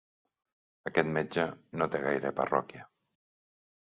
Aquest metge no té gaire parròquia.